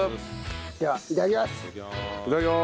ではいただきます。